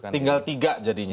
tinggal tiga jadinya